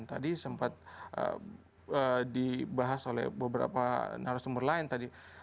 tadi sempat dibahas oleh beberapa narasumber lain tadi